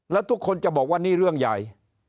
แล้วทุกคนจะบอกว่านี่เรื่องใหญ่